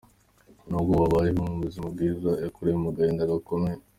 N'ubwo ubu abayeho mu buzima bwiza yakuriye mu gahinda gakomeye.